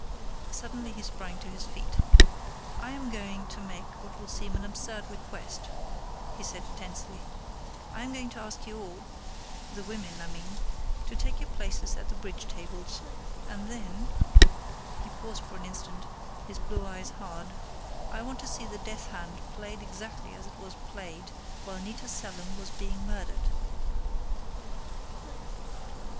Suddenly he sprang to his feet. "I am going to make what will seem an absurd request," he said tensely. "I am going to ask you all the women, I mean to take your places at the bridge tables. And then " he paused for an instant, his blue eyes hard: "I want to see the death hand played exactly as it was played while Nita Selim was being murdered!"